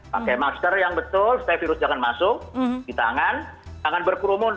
pakai masker yang betul setelah virusnya masuk di tangan tangan berkerumun